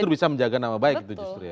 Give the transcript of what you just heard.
justru bisa menjaga nama baik itu justru ya